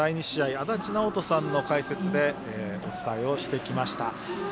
足達尚人さんの解説でお伝えをしてきました。